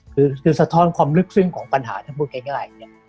คือสะท้อนความลึกซึ้งของปัญหาถ้าพูดง่าย